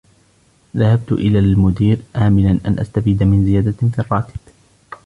ذهبت إلى المدير آملا أن أستفيد من زيادة في الراتب.